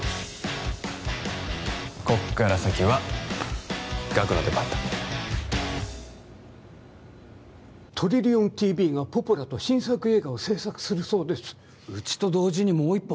こっから先はガクの出番だトリリオンＴＶがポポラと新作映画を制作するそうですうちと同時にもう一本？